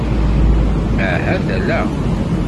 Ahat ala.